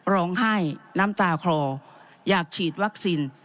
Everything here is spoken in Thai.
ร้องไห้น้ำตาคลออยากฉีดวัคซีน